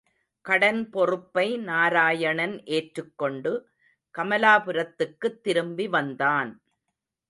கடன் பொறுப்பை நாராயணன் ஏற்றுக்கொண்டு, கமலாபுரத்துக்குத் திரும்பி வ்ந்தான்.